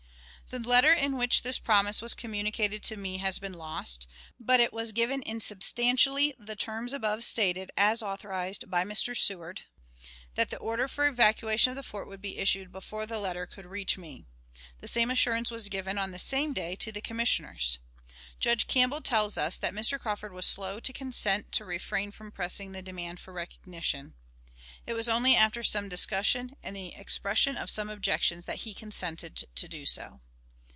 The letter in which this promise was communicated to me has been lost, but it was given in substantially the terms above stated as authorized by Mr. Seward that the order for the evacuation of the fort would be issued before the letter could reach me. The same assurance was given, on the same day, to the Commissioners. Judge Campbell tells us that Mr. Crawford was slow to consent to refrain from pressing the demand for recognition. "It was only after some discussion and the expression of some objections that he consented" to do so.